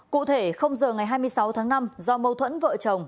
cụ thể giờ ngày hai mươi sáu tháng năm do mâu thuẫn vợ chồng